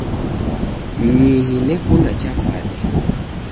Nyihi nekunda chapati